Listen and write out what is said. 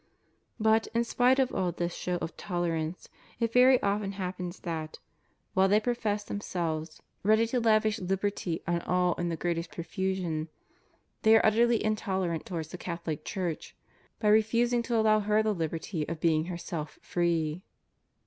But, in spite of all this show of tolerance, it very often happens that, while they profess themselves ready to HUMAN LIBERTY. 159 lavish liberty on all in the greatest profusion, they are utterly intolerant towards the Catholic Church, by re fusing to allow her the liberty of being herself free.